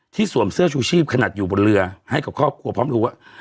สวมเสื้อชูชีพขนาดอยู่บนเรือให้กับครอบครัวพร้อมรู้ว่า